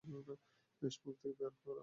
বেশ, মুখ থেকে বের কর।